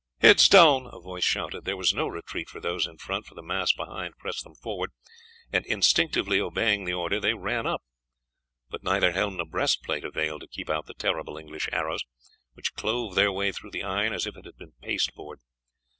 "Heads down!" a voice shouted. There was no retreat for those in front, for the mass behind pressed them forward, and, instinctively obeying the order, they ran up. But neither helm nor breast plate availed to keep out the terrible English arrows, which clove their way through the iron as if it had been pasteboard.